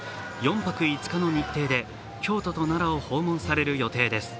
４泊５日の日程で京都と奈良を訪問される予定です。